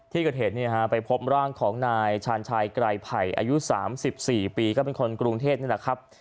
ที่เกิดเหตุไปพบร่างของนายชาญชัยไกรไผ่อายุ๓๔ปีก็เป็นคนกรุงเทพนี่แหละครับ